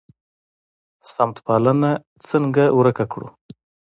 سمت پالنه څنګه ورک کړو؟